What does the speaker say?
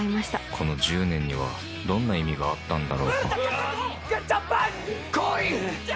この１０年にはどんな意味があったんだろうか。